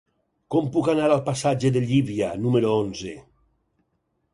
Com puc anar al passatge de Llívia número onze?